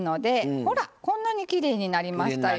ほら、こんなにきれいになりましたよ。